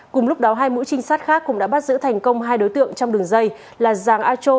cùng lúc đó hai mũi trinh sát khác cũng đã bắt giữ thành công hai đối tượng trong đường dây là giàng a trô